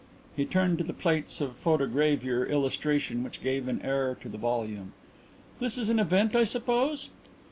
He turned to the plates of photogravure illustration which gave an air to the volume. "This is an event, I suppose?"